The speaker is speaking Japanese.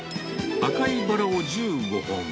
赤いバラを１５本。